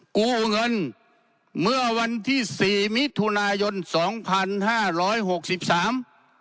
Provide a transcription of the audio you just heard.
กู้เงินเมื่อวันที่สี่มิถุนายนสองพันห้าร้อยหกสิบสาม